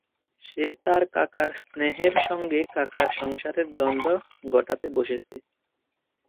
সে তার কাকার স্নেহের সঙ্গে কাকার সংসারের দ্বন্দ্ব ঘটাতে বসেছে।